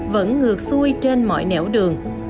vẫn ngược xuôi trên mọi nẻo đường